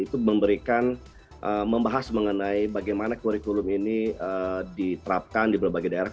itu memberikan membahas mengenai bagaimana kurikulum ini diterapkan di berbagai daerah